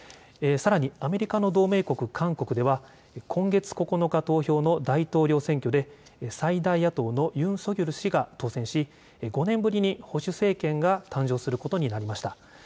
さらにアメリカの同盟国、韓国では今月９日投票の大統領選挙で最大野党のユン・ソギョルが当選し５年ぶりに保守政権が誕生することになりました。